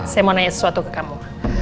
saya mau nanya sesuatu ke kamu